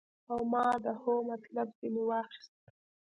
او ما د هو مطلب ځنې واخيست.